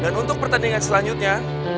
dan untuk pertandingan selanjutnya